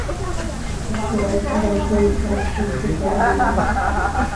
The shares eventually transferred to family members.